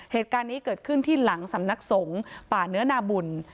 เหตุการณ์นี้เกิดขึ้นที่หลังสำนักสงฆ์ป่าเนื้อนาบุญ